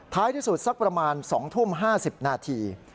ที่สุดสักประมาณ๒ทุ่ม๕๐นาที